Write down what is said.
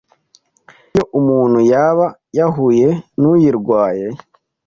kuko n’iyo umuntu yaba yahuye n’uyirwaye